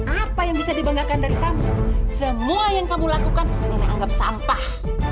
apa yang bisa dibanggakan dari kamu semua yang kamu lakukan nenek anggap sampah